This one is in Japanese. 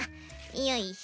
よいしょ。